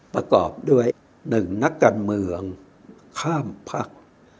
ประกอบด้วย๑นักการเมืองข้ามพัก